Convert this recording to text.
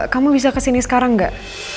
kamu bisa kesini sekarang nggak